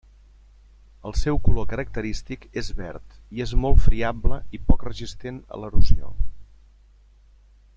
El seu color característic és verd i és molt friable i poc resistent a l'erosió.